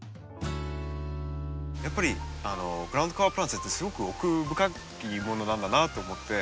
やっぱりグラウンドカバープランツってすごく奥深いものなんだなと思って。